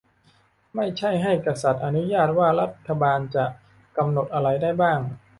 ไม่ใช่ให้กษัตริย์อนุญาตว่ารัฐบาลจะกำหนดอะไรได้บ้าง